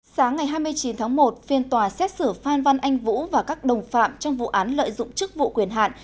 sáng ngày hai mươi chín tháng một phiên tòa xét xử phan văn anh vũ và các đồng phạm trong vụ án lợi dụng chức vụ quyền hạn